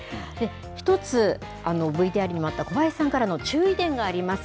１つ、ＶＴＲにもあった、小林さんからの注意点があります。